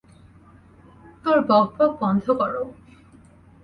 তোর বক বক বন্ধ কর!